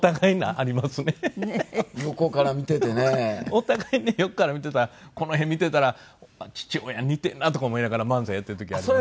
お互いね横から見てたらこの辺見てたら父親に似てんなとか思いながら漫才やってる時あります。